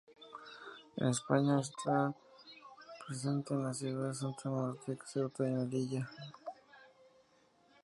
En España, está presente en las ciudades autónomas de Ceuta y Melilla.